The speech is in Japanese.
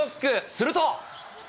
すると。